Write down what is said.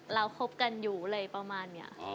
เราคบกันอยู่เลยประมาณเนี้ย